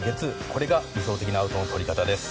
これが理想的なアウトの取り方です。